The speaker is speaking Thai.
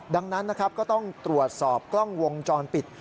ดังนั้นนะครับก็ต้องตรวจสอบกล้องวงจรปิด